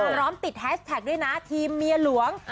พร้อมติดแฮชแท็กด้วยนะทีมเมียหลวง